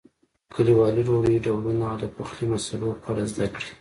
د کلیوالي ډوډۍ ډولونو او د پخلي مسالو په اړه زده کړئ.